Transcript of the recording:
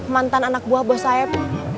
mantan anak buah bos sayap